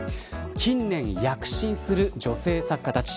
近年、躍進する女性作家たち。